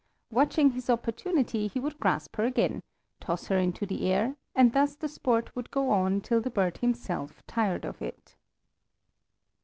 Watching his opportunity he would grasp her again, toss her into the air, and thus the sport would go on till the bird himself tired of it.